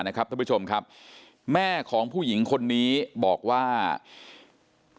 คือสิ่งที่เราติดตามคือสิ่งที่เราติดตาม